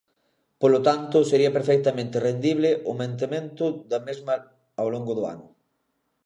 Polo tanto, sería perfectamente rendible o mantemento da mesma ao longo do ano.